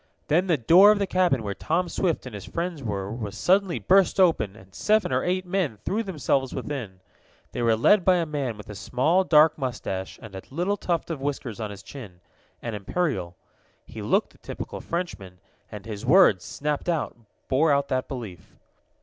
Then the door of the cabin where Tom Swift and his friends were was suddenly burst open, and seven or eight men threw themselves within. They were led by a man with a small, dark mustache and a little tuft of whiskers on his chin an imperial. He looked the typical Frenchman, and his words, snapped out, bore out that belief.